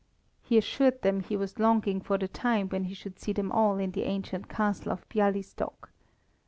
He assured them he was longing for the time when he should see them all in the ancient Castle of Bialystok.